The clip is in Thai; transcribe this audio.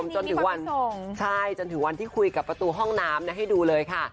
จนถึงวันใช่จนถึงวันที่คุยกับประตูห้องน้ำนะให้ดูเลยค่ะ